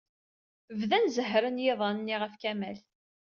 Bdan zehhren yiḍan-nni ɣef Kamal.